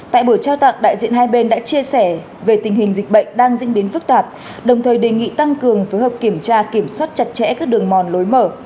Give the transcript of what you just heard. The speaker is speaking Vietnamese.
tại buổi trao tặng đại diện hai bên đã chia sẻ về tình hình dịch bệnh đang diễn biến phức tạp đồng thời đề nghị tăng cường phối hợp kiểm tra kiểm soát chặt chẽ các đường mòn lối mở